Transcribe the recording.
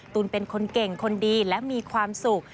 ตูนเป็นคนเก่งคนดีและมีความสุข